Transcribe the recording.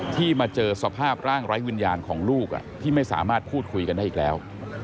ที่มาเจอสภาพร่างไร้วิญญาณของลูกที่ไม่สามารถพูดคุยกันได้อีกแล้ว